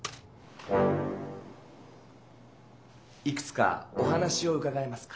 いくつかお話をうかがえますか？